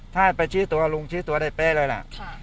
ถ้าไปชี้ตัวลุงชี้ตัวได้เป๊ะเลยล่ะ